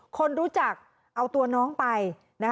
คนรู้จักเอาตัวน้องไป